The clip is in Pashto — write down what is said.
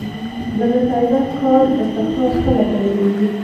د مس عینک کان استخراج کله پیلیږي؟